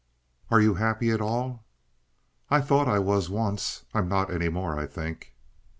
"Are you happy at all?" "I thought I was once. I'm not any more, I think."